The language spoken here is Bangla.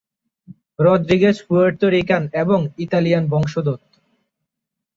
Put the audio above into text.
রদ্রিগেজ পুয়ের্তো রিকান এবং ইতালিয়ান বংশোদ্ভূত।